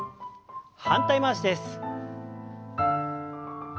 反対回しです。